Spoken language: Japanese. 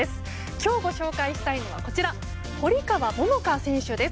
今日、ご紹介したいのは堀川桃香選手です。